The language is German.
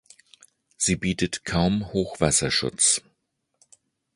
Sie bietet kaum Hochwasserschutz.